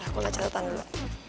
aku lihat catatan dulu